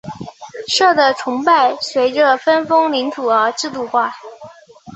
社的崇拜随着分封领土而制度化。